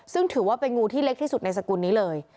ซึ่งถือว่าเป็นงูที่เล็กที่สุดในสกุลนี้เลย